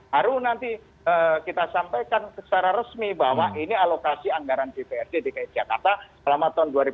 haru nanti kita sampaikan secara resmi bahwa ini alokasi anggaran dprd di kecakata selama dua ribu dua puluh satu